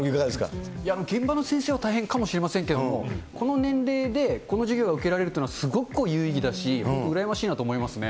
現場の先生は大変かもしれませんけども、この年齢でこの授業が受けられるっていうのはすごく有意義だし、羨ましいなと思いますね。